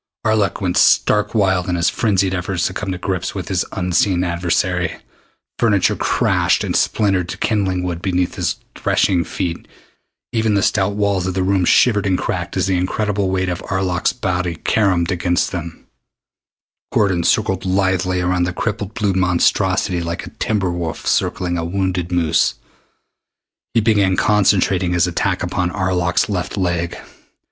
Arlok went stark wild in his frenzied efforts to come to grips with his unseen adversary. Furniture crashed and splintered to kindling wood beneath his threshing feet. Even the stout walls of the room shivered and cracked as the incredible weight of Arlok's body caromed against them. Gordon circled lithely around the crippled blue monstrosity like a timber wolf circling a wounded moose. He began concentrating his attack upon Arlok's left leg.